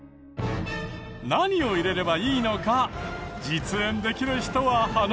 何を入れればいいのか実演できる人はハナタカさん。